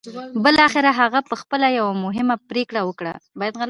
بالاخره هغه پخپله يوه مهمه پرېکړه وکړه.